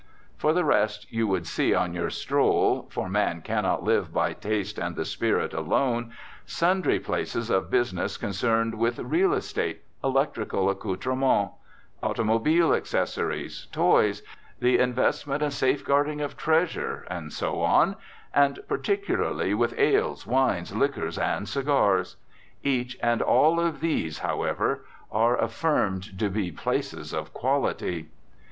For the rest, you would see on your stroll, for man cannot live by taste and the spirit alone, sundry places of business concerned with real estate, electrical accoutrement, automobile accessories, toys, the investment and safeguarding of treasure, and so on, and particularly with ales, wines, liquors, and cigars. Each and all of these, however, are affirmed to be "places of quality."